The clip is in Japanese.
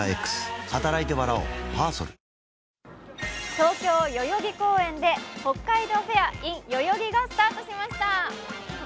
東京・代々木公園で北海道フェアｉｎ代々木が開催されました。